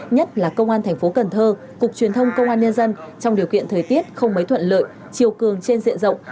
nhất là công an thành phố cần thơ cục truyền thông công an nhân dân trong điều kiện thời tiết không mấy thuận lợi chiều cường trên diện rộng